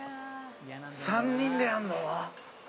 ３人でやるの？